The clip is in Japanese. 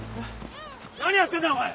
何やってんだお前。